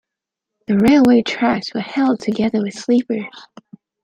The railway tracks were held together with sleepers